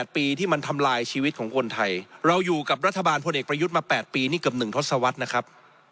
๘ปีที่มันทำลายชีวิตของคนไทยเราอยู่กับรัฐบาลพลเอกประยุทธ์มา๘ปีนี่เกือบ๑ทศวรรษนะครับ